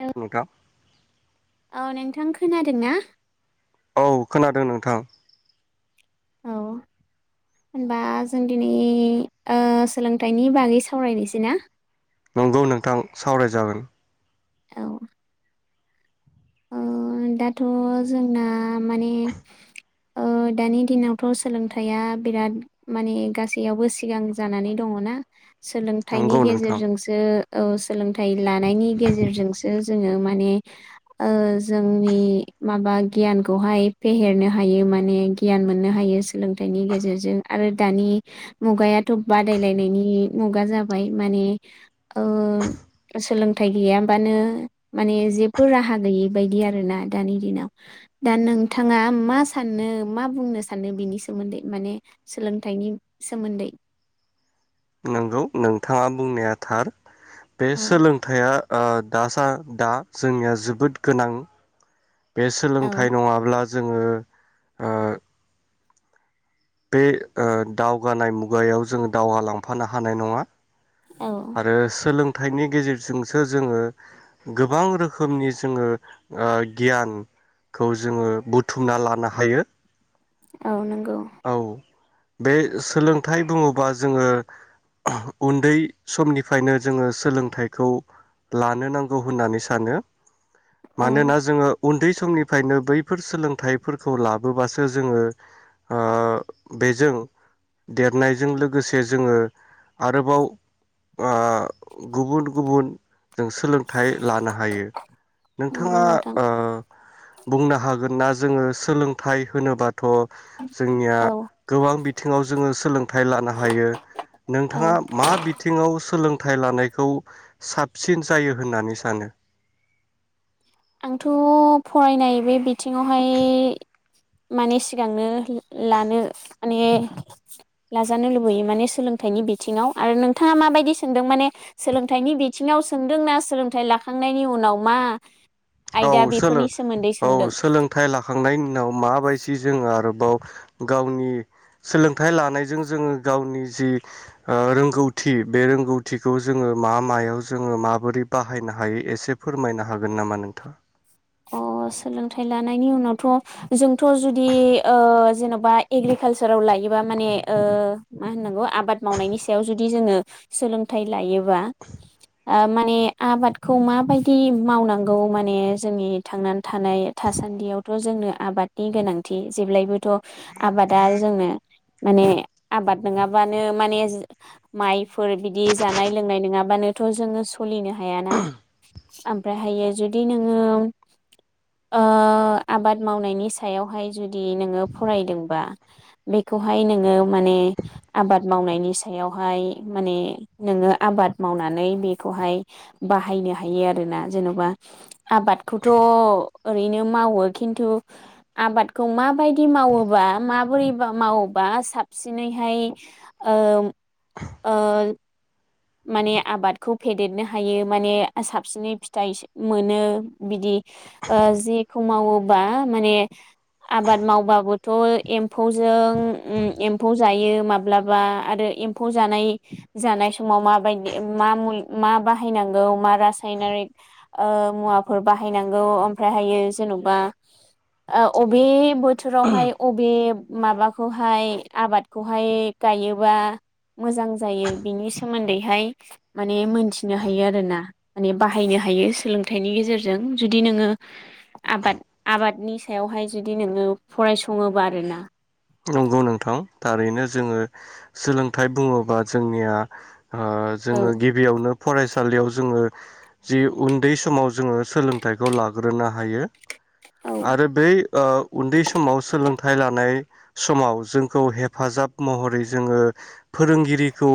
[unintelligible] नोंथां थां खोनादों ना? औ खोनादों नोंथां। औ होनबा जों दिनै ओ सोलोंथाइनि बागै सावरायनोसै ना? नंगौ नोंथां सावराय जागोन। औ। ओ दाथ' जोंना माने ओ दानि दिनावथ' सोलोंथाइया बिराद माने गासैयावबो सिगां जानानै दङ ना। सोलोंथाइनि नंगौ नोंथां गेजेरजोंसो औ स सोलोंथाइ लानायनि गेजेरजोंसो जोङो माने ओ जोंनि माबा गियानखौहाय फेहेरनो हायो माने गियान मोननो हायो सोलोंथाइनि गेजेरजों आरो दानि मुगायाथ' बादायलायनायनि मुगा जाबाय माने ओ सोलोंथाइ गैयाबानो माने जेबो राहा यि बायदि आरोना दानि दिनाव दा नोंथाङा मा साननो मा बुंनो सानो बिनि सोमोन्दै माने सोलोंथाइनि सोमोन्दै? नंगौ नोंथाङा बुंनाया थार बे औ सोलोंथाइया आ दास सा दा जोंनिया जोबोद गोनां बे औ सोलोंथाइ नङाब्ला जोङो ओ बे ओ दावगानाय मुगायाव जोङो दावगालांफानो हानाय नङा औ आरो सोलों थाइनि गेजेरजोंसो जोङो गोबां रोखोमनि जोङो ओ गियान खौ जोङो बुथुमना लानो हायो। औ नंगौ औ बे सोलोंथाइ बुङोबा जोङो उन्दै समनिफायनो जोङो सोलोंथाइखौ लानो नांगौ होननानै सानो औ मानोना जोङो उन्दै समनिफ्रायनो बैफोर सोलोंथाइफोरखौ लाबोबासो जोङो आ बेजों देरनायजों लोगोसे जोङो आरोबाव आ गुबुन गुबुन जों सोलोंथाइ लानो हायो नंगौ नोंथाङा नोंथां आ बुंनो हागोन ना जोङो सोलोंथाइ होनोबाद थ' जोंनिया औ गोबां बिद थिङाव जोङो सोलों थाइ लानो हायो औ नोंथाङा मा बिद सोलोंथाइ लानायखौ साबसिन जायो होननानै सानो आंथ' फरायनाय बे बिथिङावहाय माने सिगांनो ला लानो माने लाजानो लुबैयो माने सोलोंथाइनि बिथिङाव आरो नोंथाङा माबायदि सोंदों माने सोलोंथाइनि बिथिङाव सोंदोंना सोलोंथाइ लाखांनायनि उनाव मा? औ आयदा सोलो बेफोरनि सोमोन्दै औ सोंदों सोलोंथाइ लाखांनायनि उनाव माबायदि जोङो आरोब बाव गावनि सोलोंथाइ लानायजों जोङो गावनि जि ओ रोंगौथि बे रोंगौथिखौ जोङो मा मायाव जोङो माबोरै बाहायनो हायो एसे फोरमायनो हागोन नामा नोंथां [unintelligible] अ सोलोंथाइ लानायनि उनावथ' जों थ' जुदि ओ जेन'बा बा एग्रिकालसाराव लायोबा माने ओ मा होनांगौ आबाद मावनायनि सायाव जुदि जोङो सोलोंथाइ लायोब बा आ माने आबादखौ माबायदि मावनांगौ माने जोंनि थांनानै थानाय थासान्दियावथ' जोंनो आबादनि गोनांथि जेब्लायबोथ' आबादा जोंनो माने आबाद नङाबानो माने माइफोर बिदि जानाय लोंनाय नङाबानोथ' जोङो सलिनो हायाना ओमफ्रायहायो जुदि नों ङो ओ आबाद मावनायनि सायावहाय जुदि नोङो फरायदोंबा बेखौहाय नोङो माने आबाद मावनायनि सायावहाय माने नोङो आबाद मावनानै बेखौहाय बाहायनो हायो आरोना जेन'बा आबादखौथ' ओरैनो मावो खिन्थु आबादखौ माबायदि मावोबा माबोरै मावोबा साबसिनैहाय ओ ओ माने आबादखौ फेदेरनो हायो माने साबसिनै फिथाइ मोनो बिदि ओ जि मावोबा माने आबाद मावबाबोथ' एम्फौजों एम्फौ जायो माब्लाबा आरो एम्फौ जानाय जानाय सम माव मा बाहाय नांगौ मा रासायनारिक मुवाफोर बाहाय नांगौ ओमफ्रायहायो जेनबा आं अबे ब बोथोरावहाय अबे माबाखौहाय आबादखौहाय गायोबा मोजां जायो बिनि स सोमोन्दैहाय माने मोनथिनो हायो आरोना माने बाहायनो हायो सोलोंथाइनि गेजेरजों जुदि नोङो आबाद आबादनि सायावहाय जुदि नोङो फरायसङोबा आरोना। नंगौ नोंथां थारैनो जोङो सोलोंथाइ बुङोबा जोंनिया औ जोङो गिबियावनो फरायसालियाव जोङो जि उन्दै समाव जोङो सोलोंथाइखौ लाग्रोनो हायो औ । आरो बै ओ उन्दै समाव सोलोंथाइ लानाय समाव जोंखौ हेफाजाब महरै जोङो फोरोंगिरिखौ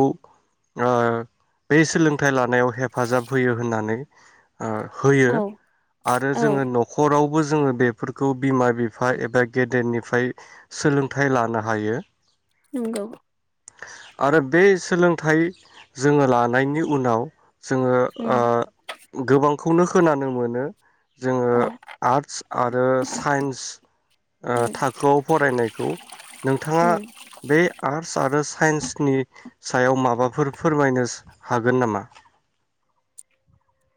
बे सोलोंथाइ लानायाव हेफाजाब होयो होननानै होयो आरो औ जोङो न'खराव बो जोङो बेफोरखौ बिमा बिफा एबा गेदेरनिफ्राय सो थाय लानो हायो। नोंगौ। आरो बे सोलोंथाइ जोङो लानायनि उनाव जोङो उम ओ गोबां खौनो खोनानो मोनो जोङो औ आर्टस आरो साइन्स उम थाखोआव फरायनायखौ नोंथाङा उम बे आर्टस आरो साइन्सनि सायाव माबाफोर फोरमायनो हागोन नामा।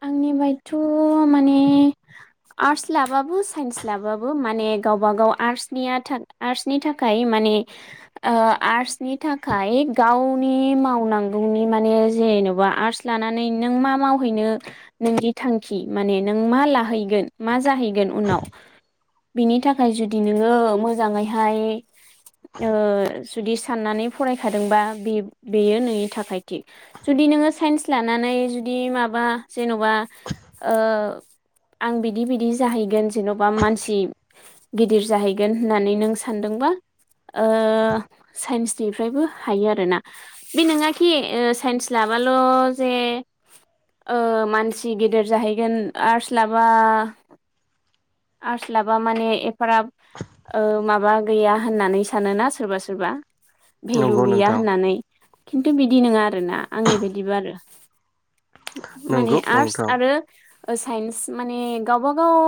आंनि बायथ' माने आर्टस लाबाबो साइन्स लाबाबो माने गावबा गाव आर्टसनिया आर्टसनि थाखाय माने आर्टसनि थाखाय गावनि मावनांगौनि माने जेन'बा आर्टस लानानै नों मा मावहैनो नोंनि थांखि माने नों मा लाहैगोन मा जाहैगोन गोन उनाव बिनि थाखाय जुदि नोङो मोजाङैहाय जुदि साननानै फरायखादोंबा बे बेयो नोंनि थाखाय थिग जुदि नोङो साइन्स लानानै जुदि माबा जेन'बा ओ आं बिदि बिदि जाहैगोन जेन'बा मानसि गिदिर जाहैगोन होननानै नों सानदोंबा ओ साइन्सनिफ्रायबो हायो आरोना बे नङााखि साइन्स लाबाल' जे ओ मानसि गेदेर जाहैगोन आर्टस लाबा आर्टस लाबा माने ओ एफाराब माबा गैया होननानै सानोना सोरबा सोरबा भेलु नंगौ गैया नोंथां होननानै । खिन्थु बिदि नङा आरोना आंनि बायदिबा आरो। माने नंगौ आर्टस नोंथां आरो साइन्स माने गावबा गाव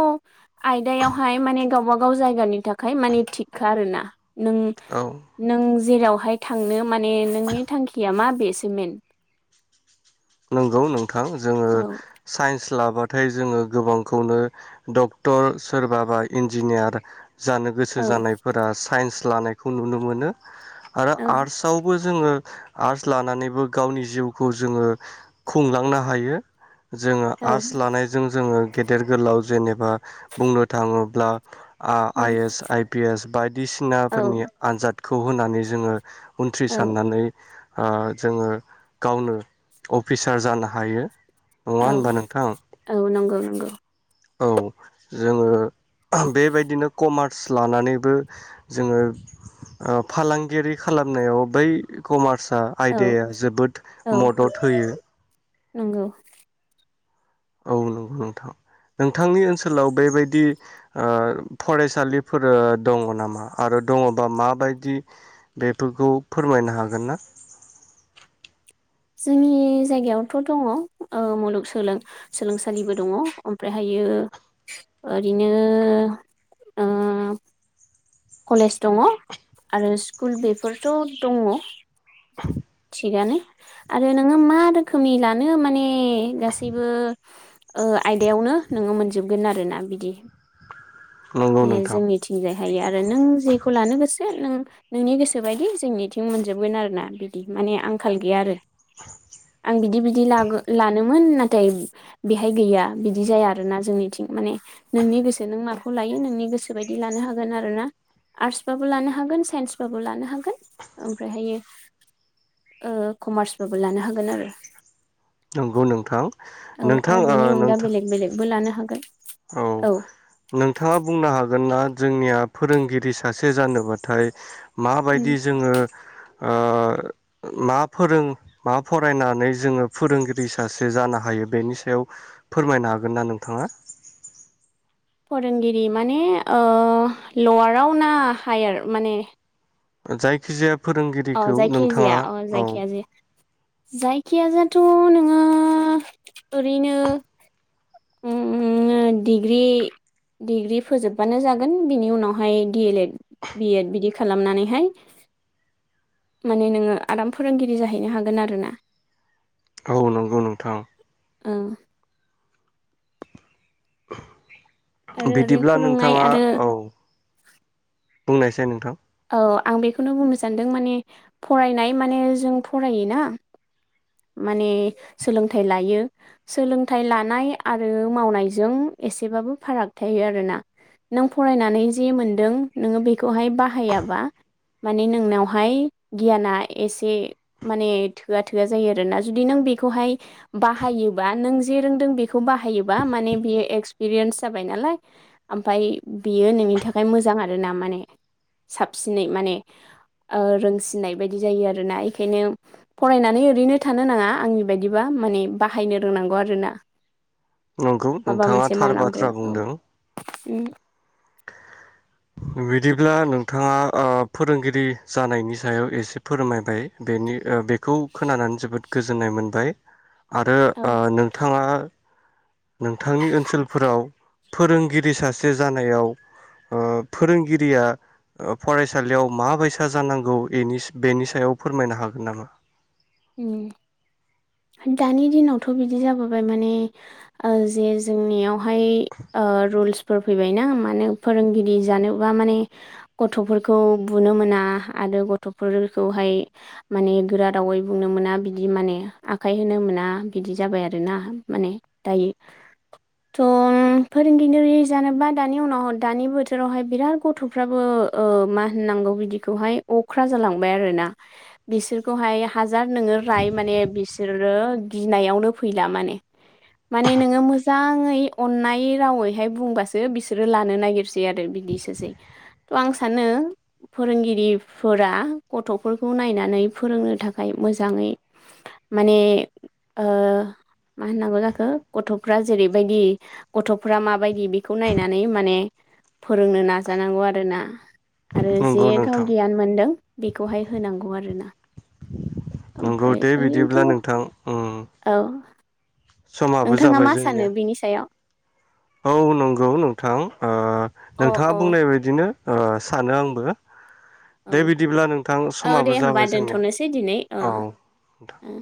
आयदायावहाय माने गावब गाव जायगानि थाखाय माने थिगखा आरोना। नों औ नों जेरावहाय थांनो माने नोंनि थांखिया मा बे सिमेन नंगौ नंगौ नोंथां जोङो साइन्स लाबाथाय जोङो गोबांखौनो डक्टर सोरबा बा इन्जिनियार जानो गोसो औ जानायफोरा साइन्स लानायखौ नुनो मोनो आरो औ आर्टस आवबो जोङो आर्टस लानानैबो गावनि जिउखौ जोङो खुंलांनो हायो। जोङो औ आर्टस लानायजों जोङो गेदेर गोलाव जेनेबा बुंनो थाङोब्ला आ आइ उम एस आइ पि एस औ बायदिसिनाफोरनि आनजाद खौ होनानै जोङो उनथ्रि औ सारनानै ओ जोङो गावनो अफिसार जानो हायो नङा होनबा नोंथां नोंगौ नोंगौ औ जोङो बेबायदिनो कमार्स लानानैबो जोङो ओ फालांगिरि खालामनायाव बै कमार्स आ औ आयदाया जोबोद औ मदद होयो नंगौ औ नंगौ नोंथां नोंथांनि ओनसोलाव बेबायदि ओ फरायसालिफोर दङ नामा आरो दङबा माबायदि बेफोरखौ फोरमायनो हागोन ना? जोंनि जायगायावथ' दङ ओ मुलुग सोलों सोलोंसालिबो दङ ओमफ्रायहायो ओरैनो ओ कलेज दङ आरो स्कुल बेफोरथ' दङ। [inaudible] थिगानो आरो नोङो मा रोखोमनि लानो माने गासिबो ओ आयदायावनो नोङो मोनजोबगोन आरोना बिदि नंगौ माने जों नोंथां निथिंजाय हायो आरो नों जेखौ लानो गोसो नों नोंनि गोसोबायदि जोंनिथिं मोनजोबगोन आरोना बिदि माने आंखाल गैया आरो आं बिदि बिदि ला लानो मोन नाथाय बेहाय गैया बिदि जाया आरोना जोंनिथिं माने नोंनि गोसो नों माखौ लायो नोंनि गोसोबायदि लानो हागोन आरो ना आर्टसबाबो लानो हागोन साइन्सबाबो लानो हागोन ओमफ्रायहायो ओ कमार्सबाबो लानो हागोन आरो नंगौ नोंथां औ नोंथां आरो ओ बेनि अनगा नोंथां बेलेग बेलेगबो लानो हागोन औ औ नों थाङा बुंनो हागोन ना जोंनिया फोरोंगिरि सासे जानोबाथाय उम माबायदि जोङो ओ मा फोरों मा फरायनानै जोङो फोरोंगिरि सासे जानो हायो बेनि सायाव फोरमायनो हागोन ना नोंथाङा? फोरोंगिरि माने ओ लवाराव ना हायार माने जायखि जाया अ जायखि जाया अ जायखिया जे जायखिया जाथ' नोङो ओरैनो उम डिग्रि डिग्रि फोजोबबानो जागोन बिनि उनावहाय D El Ed B Ed बिदि खालामनानैहाय माने नोङो आराम फोरोंगिरि जाहैनो हागोन आरो ना औ नंगौ नोंथां ओं आरो ओरैनो बिदिब्ला फोरोंनाय नोंथाङा आरो औ बुंनायसै नोंथां औ आं बेखौनो बुंनो सानदों माने फरायनाय माने जों फरायो ना माने सोलोंथाइ लायो सोलोंथाइ लानाय आरो मावनायजों एसेबाबो फाराग थायो आरोना नों फरायनानै जे मोनदों नोङो बेखौहाय बाहायाबा माने नोंनावहाय गियाना एसे माने थोआ थोआ जायो आरो ना जुदि नों बेखौ हाय बाहायोबा नों जे रोंदों बेखौ बाहायोबा माने एक्सपिरियेन्स जाबायनालाय ओमफाय बि नोंनि थाखाय मोजां आरोना माने साबसिनै माने ओ रोंसिननाय बायदि जायो आरोना बेखायनो फरायनानै ओरैनो थानो नाङा आंनि बायदिबा माने बाहायनो रोंनांगौ आरोना नंगौ माबा नोंथाङा मोनसे थार मावनांगौ बाथ्रा औ बुंदों उम बिदिब्ला नोंथाङा ओ फोरोंगिरि जानायनि सायाव एसे फोरमायबाय बेनि बेखौ खोनानानै जोबोद गोजोननाय मोनबाय। आरो औ ओ नोंथाङा [inaudible] नोंथांनि ओनसोलफोराव फोरोंगिरि सासे जानायाव ओ फोरोंगिरिया फरायसालियाव माबायसा जानांगौनि एनि बेनि सायाव फोरमायनो हागोन नामा? उम दानि दिनावथ' बिदि जाबोबाय माने ओ जे जोंनियाव हाय ओ रुलसफोर फैबाय ना माने फोरोंगिरि जानोबा माने गथ'फोरखौ बुनो मोना आरो गथ'फोरखौहाय माने गोरा रावै बुंनो मोना बिदि माने आखाय होनो मोना बिदि जाबाय आरो ना माने दायो थ' फोरोंगिरि जानोबा दानि उनाव दानि बोथोरावहाय बिराद गथ'फ्राबो ओ मा होननांगौ बिदिखौहाय अख्रा जालांबाय आरोना बिसोरखौहाय हाज हाजार नोङो राय माने बिस सोरो गिनायावनो फैला माने माने नोङो मोजाङै अन्नाय रावैहाय बुंबासो बिसोरो लानो नागिरसै आरो बिदिसोसै थ' आं सानो फोरोंगिरिफोरा गथ'फोरखौ नायनानै फोरोंनो थाखाय मोजाङै माने ओ मा होननांगौ जाखो गथ'फ्रा जेरैबायदि गथ'फ्रा माबायदि बेखौ नायनानै माने फोरोंनो नाजानांगौ आरोना। आरो जे नंगौ गाव नोंथां गियान मोनदों बेखौहाय होनांगौ आरोना नंगौ ओमफ्राय दे बिदिब्ला ला ओरैनोथ' नोंथां उम औ समाबो नोंथाङा जाबाय मा जोंनिया सानो बिनि सायाव? औ नंगौ नोंथां ओ। अ नोंथाङा बुंनाय बायदिनो सानो आंबो दे बिदिब्ला नोंथां औ दे समाबो होमबा जाबाय जोंनिया दोनथ'नोसै दिनै ओ औ नोंथां। ओ